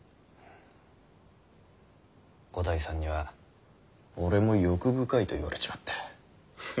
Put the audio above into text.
五代さんには俺も欲深いと言われちまったハハ。